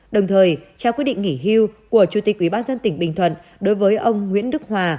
đồng thời trao quyết định nghỉ hưu của chủ tịch ủy ban dân tỉnh bình thuận đối với ông nguyễn đức hòa